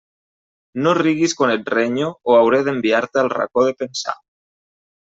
No riguis quan et renyo o hauré d'enviar-te al racó de pensar.